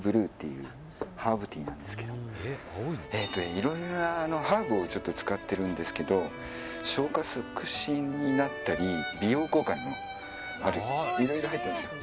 いろいろなハーブを使ってるんですけど消化促進になったり美容効果にもなったりいろいろ入ってますよ。